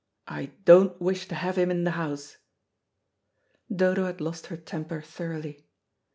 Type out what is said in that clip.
I don't wish to have him in the house." Dodo had lost her temper thoroughly.